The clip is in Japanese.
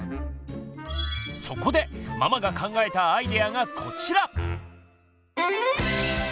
そこでママが考えたアイデアがこちら！